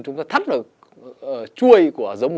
chúng ta thắt vào chuôi của giống